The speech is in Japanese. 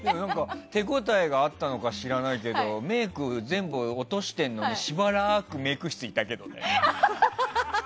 手応えがあったのか知らないけどメイク全部落としているのにしばらくメイク室にいたけどね。